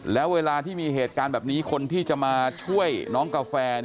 แล้วเวลาที่มีเหตุการณ์แบบนี้คนที่จะมาช่วยน้องกาแฟ